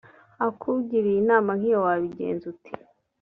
akugiriye inama nk iyo wabigenza ute